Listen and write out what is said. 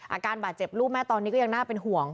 อาการบาดเจ็บลูกแม่ตอนนี้ก็ยังน่าเป็นห่วง